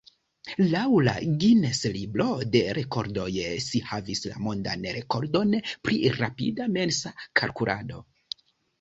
Laŭ la Guinness-libro de rekordoj si havis la mondan rekordon pri rapida mensa kalkulado.